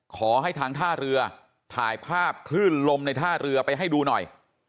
ขอให้ทางท่าเรือถ่ายภาพคลื่นลมในท่าเรือไปให้ดูหน่อย